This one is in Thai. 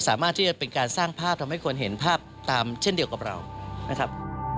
สามารถที่จะเป็นการสร้างภาพทำให้คนเห็นภาพตามเช่นเดียวกับเรานะครับ